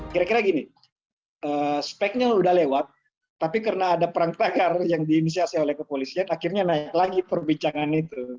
kira kira gini speknya sudah lewat tapi karena ada perang tagar yang diinisiasi oleh kepolisian akhirnya naik lagi perbincangan itu